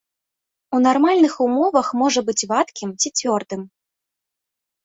У нармальных умовах у можа быць вадкім ці цвёрдым.